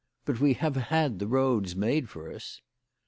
But we have had the roads made for us."